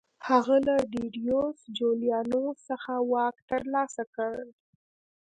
هغه له ډیډیوس جولیانوس څخه واک ترلاسه کړ